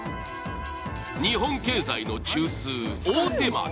日本経済の中枢・大手町。